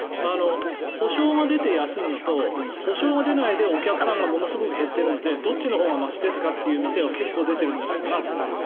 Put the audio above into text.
補償が出て休むのと補償が出ないでお客さんがものすごく減っているのでどちらがましですかという店が結構出ているんじゃないかなと思います。